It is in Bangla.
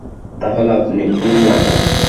তাহলে আপনিই রাখেন!